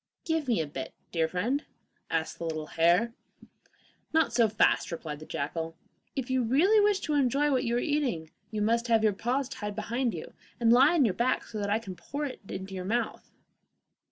'Give me a bit, dear friend,' asked the little hare. 'Not so fast,' replied the jackal. 'If you really wish to enjoy what you are eating, you must have your paws tied behind you, and lie on your back, so that I can pour it into your mouth.